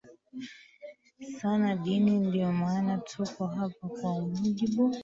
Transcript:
sana dini Ndio maana tuko hapa Kwa mujibu